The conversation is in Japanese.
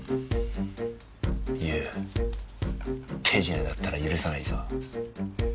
ユー手品だったら許さないぞ。